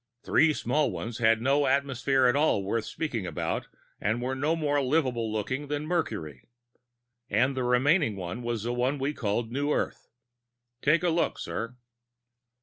Three small ones had no atmosphere at all worth speaking about, and were no more livable looking than Mercury. And the remaining one was the one we call New Earth. Take a look, sir."